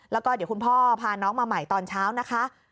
แล้วก็เดี๋ยวคุณพ่อพาน้องมาใหม่ตอนเช้านะคะ